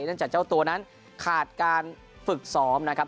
จากเจ้าตัวนั้นขาดการฝึกซ้อมนะครับ